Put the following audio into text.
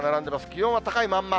気温は高いまんま。